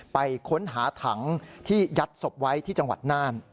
ไปค้นหาถังที่ยัดศพไว้ที่จังหวัดน่าน